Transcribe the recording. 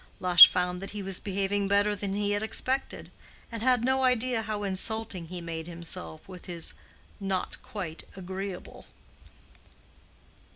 Lush found that he was behaving better than he had expected, and had no idea how insulting he made himself with his "not quite agreeable."